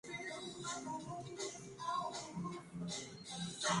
Adrianna se convierte en una cantante, conoce a un artista famoso; Javier.